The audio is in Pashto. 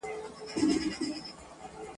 یا ښکاري یا د زمري خولې ته سوغات سم !.